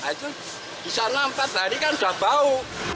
itu bisa nampak hari kan udah bau